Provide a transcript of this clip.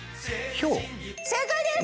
正解です。